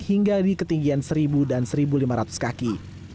hingga di ketinggian seribu dan seribu lima ratus kaki